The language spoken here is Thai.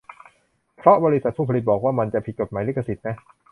เพราะบริษัทผู้ผลิตบอกว่ามันจะผิดกฎหมายลิขสิทธิ์นะ